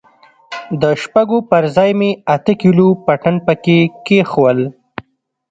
د شپږو پر ځاى مې اته کيلو پټن پکښې کښېښوول.